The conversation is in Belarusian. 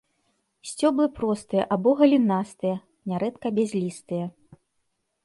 Сцёблы простыя або галінастыя, нярэдка бязлістыя.